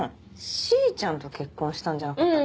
しーちゃんと結婚したんじゃなかったっけ？